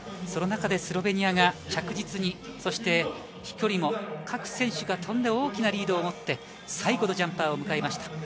その中でスロベニアが着実に、飛距離も各選手が飛んで大きなリードを持って、最後のジャンパーを迎えました。